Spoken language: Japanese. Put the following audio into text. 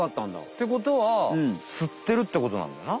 ってことはすってるってことなんだな。